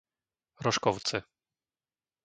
Roškovce